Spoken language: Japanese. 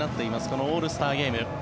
このオールスターゲーム。